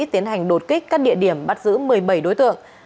tiến hành đột kích các địa điểm bắt giữ một mươi bảy đối tượng